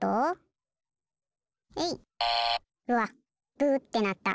「ブー」ってなった。